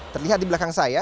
terlihat di belakang saya